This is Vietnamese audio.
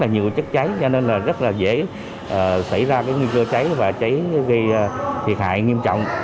nhiều chất cháy cho nên là rất là dễ xảy ra nguy cơ cháy và cháy gây thiệt hại nghiêm trọng